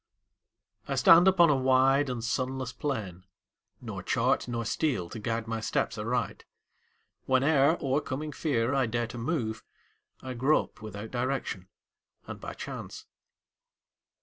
I stand upon a wide and sunless plain, Nor chart nor steel to guide my steps aright. Whene'er, o'ercoming fear, I dare to move, I grope without direction and by chance.